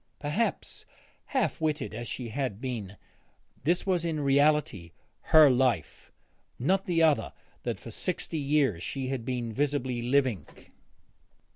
Perhaps, half witted as she had been, this was in reality her life, not the other that for sixty years she had been visibly living.